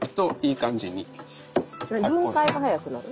分解が早くなる？